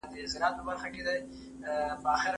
یو جهاني یې په سنګسار له ګناه نه کی خبر